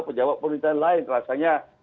pejabat pemerintahan lain rasanya